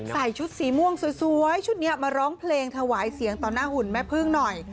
ใส่ชุดสีม่วงสวยชุดนี้มาร้องเพลงถวายเสียงต่อหน้าหุ่นแม่พึ่งหน่อย